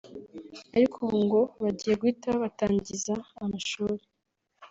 ariko ubu ngo bagiye guhita babatangiza amashuri